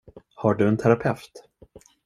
Har du en terapeut?